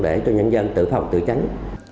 để cho nhân dân tự phòng tự tránh